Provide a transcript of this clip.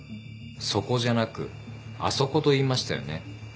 「そこ」じゃなく「あそこ」と言いましたよね。